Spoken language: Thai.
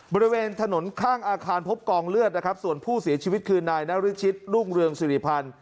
บริเวณถนนข้างอาคารพบกองเลือดนะครับส่วนผู้เสียชีวิตคือนายนรชิตรุ่งเรืองสิริพันธ์